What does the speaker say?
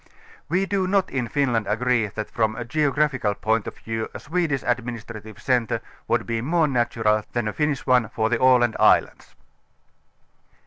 We do not in Finland agree, that from a geographical point of view a Swedish admini strative centre Avould be more natural than a Finnish one for the Aland islands.